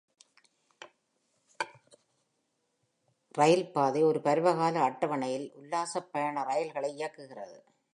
இரயில் பாதை ஒரு பருவகால அட்டவணையில் உல்லாசப் பயண ரயில்களை இயக்குகிறது.